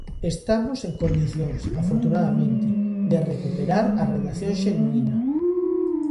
Estamos en condicións, afortunadamente, de recuperar a redacción xenuína.